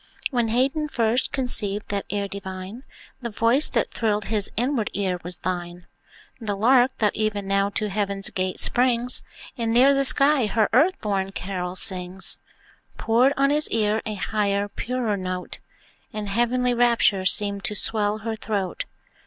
When Haydn first conceived that air divine, The voice that thrilled his inward ear was thine. The Lark, that even now to heaven's gate springs, And near the sky her earth born carol sings, Poured on his ear a higher, purer note, And heavenly rapture seemed to swell her throat.